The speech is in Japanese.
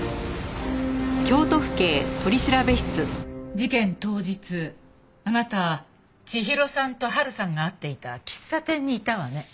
事件当日あなた千尋さんと波琉さんが会っていた喫茶店にいたわね。